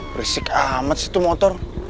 berisik amat sih tuh motor